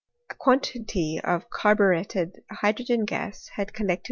A quantity of carbuietted hydrogen gas had collected